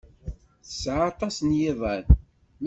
Tesɛa aṭas n yiḍan.